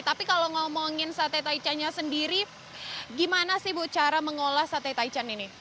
tapi kalau ngomongin sate taichannya sendiri gimana sih bu cara mengolah sate taichan ini